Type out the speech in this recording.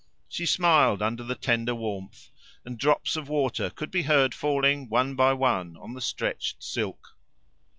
She smiled under the tender warmth, and drops of water could be heard falling one by one on the stretched silk.